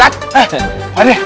eh pak lih